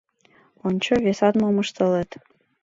Ончо, весат мом ыштылыт!